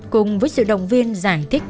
cùng với sự đồng viên giải thích